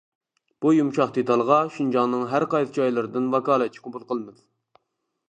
بۇ يۇمشاق دېتالغا شىنجاڭنىڭ ھەرقايسى جايلىرىدىن ۋاكالەتچى قوبۇل قىلىمىز.